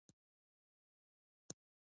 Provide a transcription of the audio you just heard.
تېر کال د ژمي په وروستۍ برخه کې یخنۍ ډېره وه.